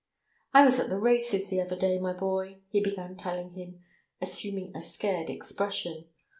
"I was at the races the other day, my boy," he began telling him, assuming a scared expression.